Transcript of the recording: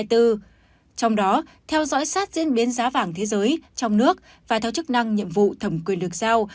trong đó theo dõi sát diễn biến giá vàng thế giới trong nước và theo chức năng nhiệm vụ thẩm quyền được giao